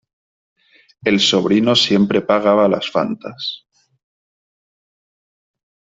El sobrino siempre pagaba las Fantas.